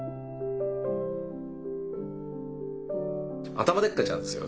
頭でっかちなんですよ